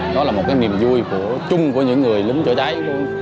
nó là một cái niềm vui chung của những người lính chữa cháy